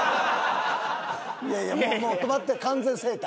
いやいやもう止まって完全静態。